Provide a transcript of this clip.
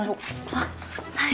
あっはい。